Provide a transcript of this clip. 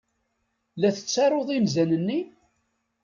La tettaruḍ inzan-nni?